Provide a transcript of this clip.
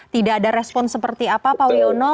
tidak ada respon seperti apa pak wiono